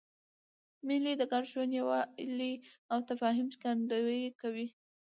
مېلې د ګډ ژوند، یووالي او تفاهم ښکارندویي کوي.